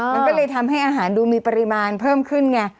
มันก็เลยทำให้อาหารดูมีปริมาณเพิ่มขึ้นไง